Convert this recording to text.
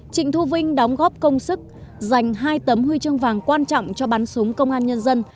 trịnh thu vinh đóng góp công sức dành hai tấm huy chương vàng quan trọng cho bắn súng công an nhân dân